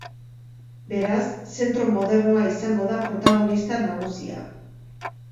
Beraz, zentro modernoa izango da protagonista nagusia.